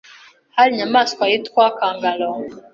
hari Inyamaswa yitwa kangaroo